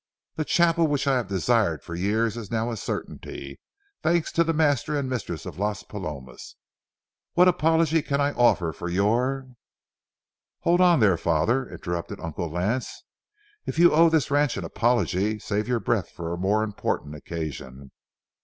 The chapel which I have desired for years is now a certainty, thanks to the master and mistress of Las Palomas. What apology can I offer for your"— "Hold on there, Father," interrupted Uncle Lance. "If you owe this ranch any apology, save your breath for a more important occasion.